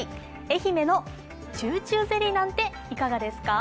愛媛のちゅうちゅうゼリーなんていかがですか。